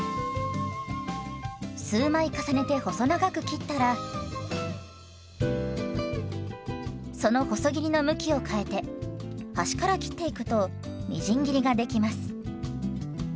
数枚重ねて細長く切ったらその細切りの向きを変えて端から切っていくとみじん切りができます。